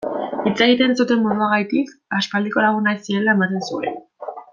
Hitz egiten zuten moduagatik aspaldiko lagunak zirela ematen zuen.